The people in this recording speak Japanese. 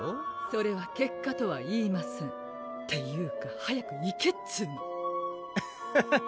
それは結果とはいいませんっていうか早く行けっつうのハハハ